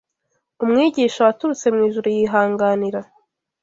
Umwigisha waturutse mu ijuru yihanganira